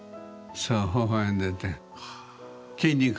そうほほ笑んでて。